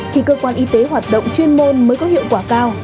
thì cơ quan y tế hoạt động chuyên môn mới có hiệu quả cao